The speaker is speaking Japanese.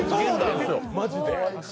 マジで。